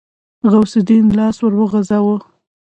غوث الدين لاس ور وغځاوه.